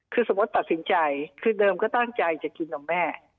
คือสมมติตัดสินใจคือเดิมก็ต้องกินหน่อแม่